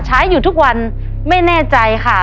ใช้อยู่ทุกวันไม่แน่ใจค่ะ